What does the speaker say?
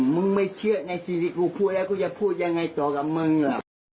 มึงไม่เชื่อในสิ่งที่กูพูดแล้วกูจะพูดยังไงต่อกับมึง